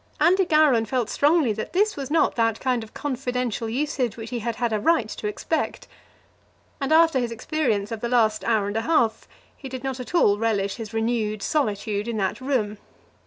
Andy Gowran felt strongly that this was not that kind of confidential usage which he had had a right to expect. And after his experience of the last hour and a half, he did not at all relish his renewed solitude in that room.